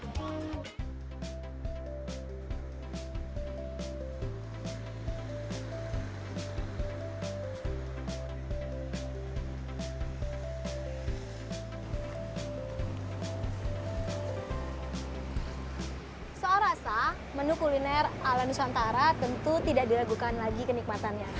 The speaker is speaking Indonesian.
kalau rasa menu kuliner ala nusantara tentu tidak diragukan lagi kenikmatannya